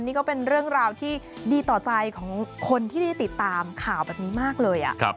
นี่ก็เป็นเรื่องราวที่ดีต่อใจของคนที่ได้ติดตามข่าวแบบนี้มากเลย